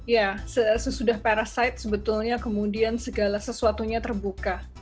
ya sesudah parasite sebetulnya kemudian segala sesuatunya terbuka